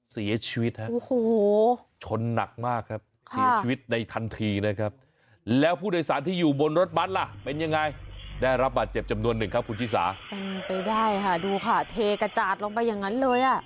เสียชีวิตฮะชนหนักมากครับสีชีวิตในทันทีนะครับฮูโห